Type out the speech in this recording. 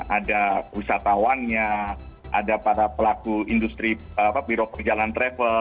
ada wisatawannya ada para pelaku industri birok pejalanan travel